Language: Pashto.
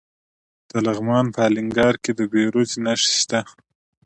د لغمان په الینګار کې د بیروج نښې شته.